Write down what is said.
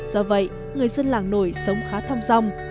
do vậy người dân làng nổi sống khá thăm dòng